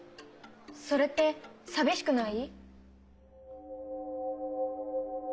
それって寂しくない？